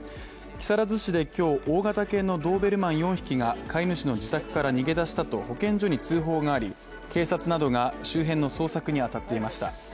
木更津市で今日、大型犬のドーベルマン４匹が飼い主の自宅から逃げ出したと保健所に通報があり、警察などが周辺の捜索にあたっていました。